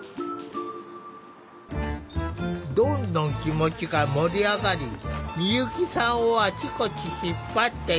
どんどん気持ちが盛り上がり美由紀さんをあちこち引っ張っていく。